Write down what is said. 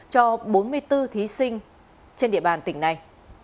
cho bốn mươi bốn thí sinh trên địa bàn tỉnh này